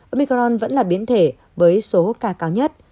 omicron vẫn là biến thể với số ca cao nhất